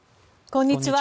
こんにちは。